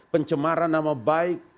pencemaran nama baik